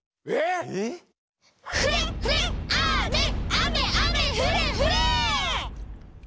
あめあめふれふれ！